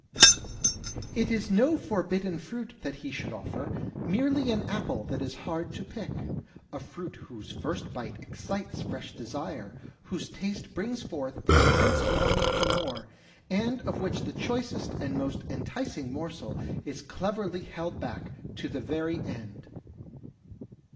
It is no forbidden fruit that he should ofiFer, merely an apple that is hard to pick^— a fruit whose first bite excites fresh desire, whose taste brings forth an intense longing for more, and of which the choicest and most enticing morsel is cleverly held back to the very end.